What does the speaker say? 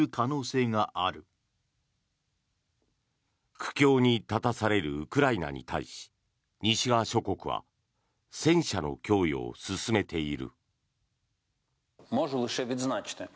苦境に立たされるウクライナに対し西側諸国は戦車の供与を進めている。